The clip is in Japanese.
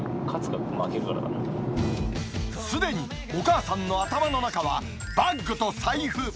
すでにお母さんの頭の中は、バッグと財布。